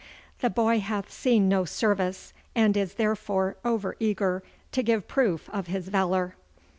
The boy hath seen no service, and is therefore over eager to give proof of his valour.